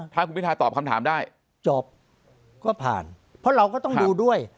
ถ้าคุณพิทาตอบคำถามได้จบก็ผ่านเพราะเราก็ต้องดูด้วย